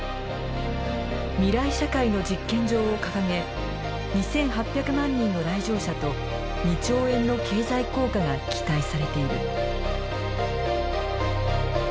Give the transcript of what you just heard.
未来社会の実験場を掲げ２，８００万人の来場者と２兆円の経済効果が期待されている。